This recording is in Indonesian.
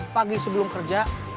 pagi sebelum kerja